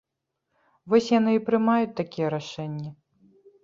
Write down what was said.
Вось яны і прымаюць такія рашэнні.